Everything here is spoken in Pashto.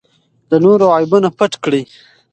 د نورو عیبونه پټ کړئ.